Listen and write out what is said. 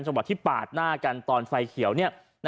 จังหวัดที่ปาดหน้ากันตอนไฟเขียวเนี่ย